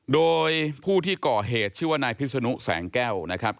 โดยผู้ที่ก่อเหตุชื่อว่านายพิศนุแสงแก้วนะครับ